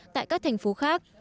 tại các thành phố khác